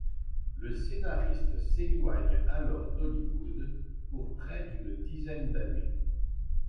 Le scénariste s'éloigne alors d'Hollywood pour près d'une dizaine d'années.